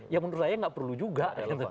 ya menurut saya nggak perlu juga